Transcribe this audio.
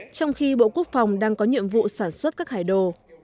trong khi bộ quốc phòng đang có nhiệm vụ sản xuất các hải đồ